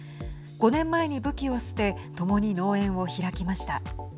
５年前に武器を捨て共に農園を開きました。